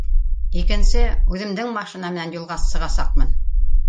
Икенсе үҙемдең машина менән юлға сығасаҡмын